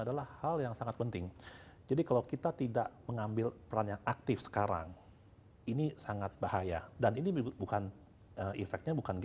dan juga untuk mengembangkan kemampuan ekonomi